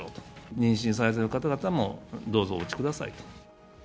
妊娠されてる方々も、どうぞお打ちくださいと。